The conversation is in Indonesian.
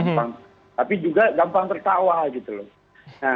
tapi juga gampang tertawa